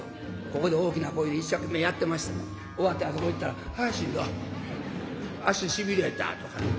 ここで大きな声で一生懸命やってましても終わってあそこ行ったら「あしんど。足しびれた」とかね。